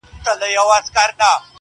لاري خالي دي له انسانانو؛